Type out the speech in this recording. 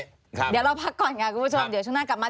เดี๋ยวเราพักก่อนคุณผู้ชม